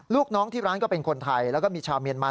ลูกน้องที่ร้านก็เป็นคนไทยแล้วก็มีชาวเมียนมา